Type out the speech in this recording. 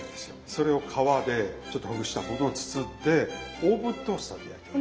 それを皮でちょっとほぐしたものを包んでオーブントースターで焼いてます。